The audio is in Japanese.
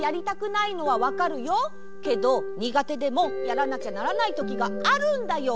けどにがてでもやらなきゃならないときがあるんだよ。